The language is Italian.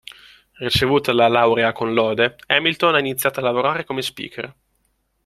Ricevuta la laurea con lode, Hamilton ha iniziato a lavorare come speaker.